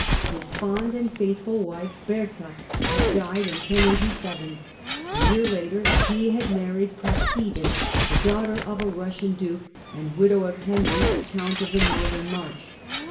His fond and faithful wife Bertha had died in 1087 ; a year later he had married Praxedis, the daughter of a Bussian duke, and widow of Henry, count of the northern march.